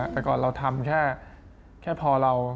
แต่ก่อนเราทำแค่พอเรา